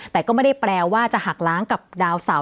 แต่ก็ไม่ได้แปลว่าจะหักล้างกับดาวเสา